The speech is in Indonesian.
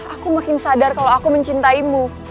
aku makin sadar kalau aku mencintaimu